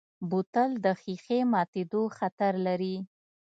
بوتل د ښیښې ماتیدو خطر لري.